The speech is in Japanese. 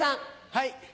はい。